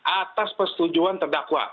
atas persetujuan terdakwa